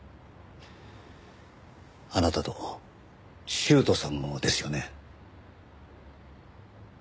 あなたと修斗さんもですよね。